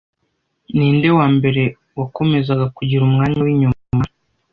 Ninde wambere wakomezaga kugira umwanya winyuma